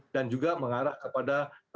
dan juga mengarah kepada